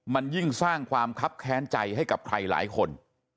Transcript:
มันยิ่งสร้างความคับแค้นใจให้กับใครหลายคน